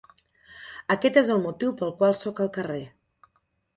Aquest és el motiu pel qual sóc al carrer.